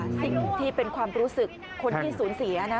ดีละค่ะสิ่งที่เป็นความรู้สึกคนที่ศูนย์เสียนะ